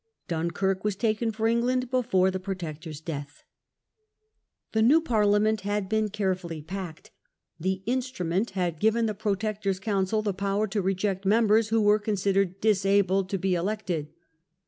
Dunkirk was taken for England before the Protector's death. The new Parliament had been carefully packed. The "Instrument" had given the Protector's Council the The •* Petition P^^er to reject members who were considered and Advice", "disabled to be elected".